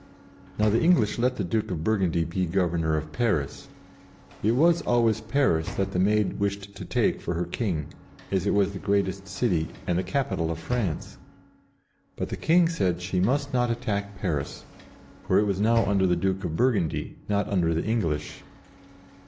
Now the English let the Duke of Burgundy be Governor of Paris. It was always Paris that the Maid wished to take for her King, as it was the greatest city and the capital of France. But the King said she must not attack Paris, for it was now under the Duke of Burgundy, not under the English.